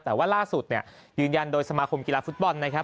แต่ว่าล่าสุดเนี่ยยืนยันโดยสมาคมกีฬาฟุตบอลนะครับ